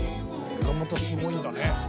これがまたすごいんだね。